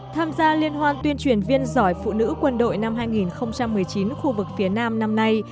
tham gia liên hoan tuyên truyền viên giỏi phụ nữ quân đội năm hai nghìn một mươi chín khu vực phía nam năm nay